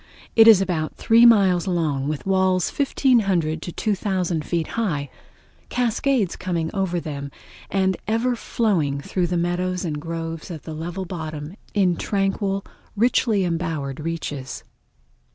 It is about three miles long, with walls 1500 to 2000 feet high, cascades coming over them, and the ever flowing through the meadows and groves of the level bottom in tranquil, richly embowered reaches.